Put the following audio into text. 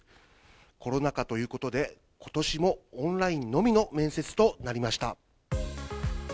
コロナ禍ということで、ことしもオンラインのみの面接となりました。